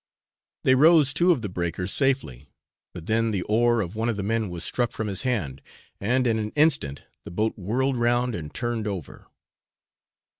They rose two of the breakers safely, but then the oar of one of the men was struck from his hand, and in an instant the boat whirled round and turned over.